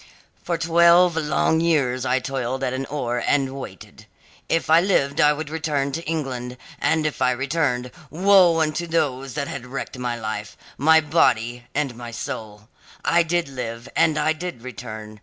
"For twelve long years I toiled at an oar, and waited. If I lived I would return to England; and if I returned, woe unto those that had wrecked my life my body and my soul. I did live, and I did return.